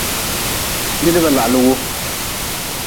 Nidba lahli wu.